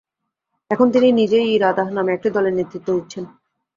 এখন তিনি নিজেই ইরাদাহ নামে একটি দলের নেতৃত্ব দিচ্ছেন।